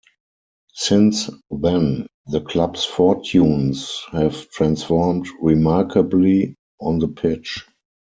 Since then, the club's fortunes have transformed remarkably on the pitch.